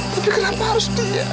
tapi kenapa harus dia